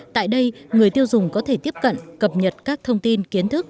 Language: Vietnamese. tại đây người tiêu dùng có thể tiếp cận cập nhật các thông tin kiến thức